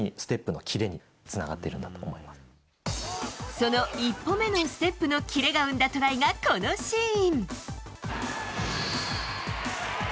その１歩目のステップの切れが生んだトライがこのシーン。